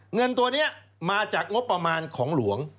เงินตัวนี้มาจากงบประมาณของหลวง